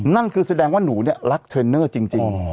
นั่นคือแสดงว่าหนูเนี่ยรักเทรนเนอร์จริง